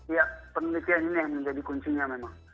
ya penelitian ini yang menjadi kuncinya memang